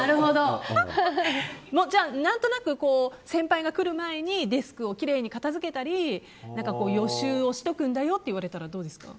じゃあ何となく先輩が来る前にデスクをきれいに片づけたり予習をしとくんだよって言われたらどうですか。